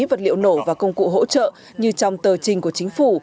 vật liệu nổ và công cụ hỗ trợ như trong tờ trình của chính phủ